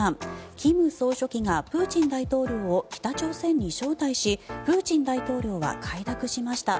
金総書記がプーチン大統領を北朝鮮に招待しプーチン大統領は快諾しました。